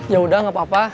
yaudah nggak apa apa